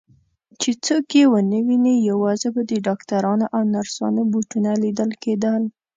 چې څوک یې ونه ویني، یوازې به د ډاکټرانو او نرسانو بوټونه لیدل کېدل.